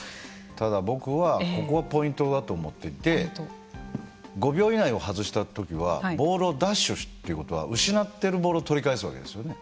ただ僕はここがポイントだと思ってて５秒以内を外した時はボールを奪取ということは失ってるボールを取り返すわけですよね。